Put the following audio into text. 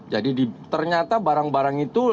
jadi ternyata barang barang itu